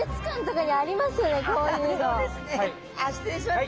あっ失礼します！